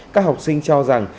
các học sinh cho rằng